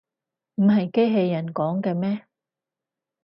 唔係機器人講嘅咩